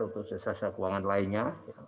untuk sesesat keuangan lainnya